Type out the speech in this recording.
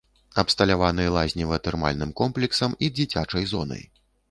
Абсталяваны лазнева-тэрмальным комплексам і дзіцячай зонай.